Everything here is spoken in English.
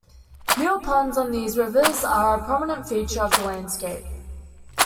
Mill ponds on these rivers are a prominent feature of the landscape.